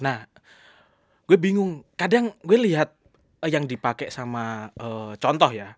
nah gue bingung kadang gue lihat yang dipakai sama contoh ya